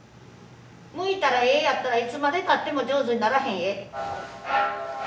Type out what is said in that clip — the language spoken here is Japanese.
向いたらええやったらいつまでたっても上手にならへんえ。